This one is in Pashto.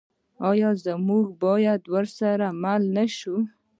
آیا موږ باید ورسره مل نشو؟